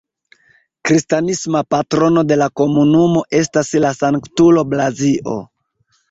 Kristanisma patrono de la komunumo estas la sanktulo Blazio.